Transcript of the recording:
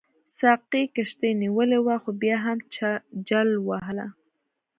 ساقي کښتۍ نیولې وه خو بیا هم جل وهله.